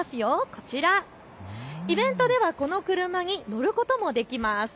こちら、イベントではこの車に乗ることもできます。